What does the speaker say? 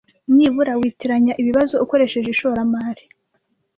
Nibura witiranya ibibazo ukoresheje ishoramari